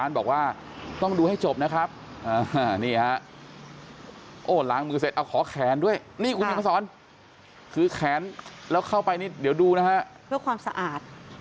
ล้างมือเสร็จเอาขอแขนด้วยนี่คุณนี่มาสอนคือแขนแล้วเข้าไปนิดเดี๋ยวดูนะฮะเพื่อความสะอาด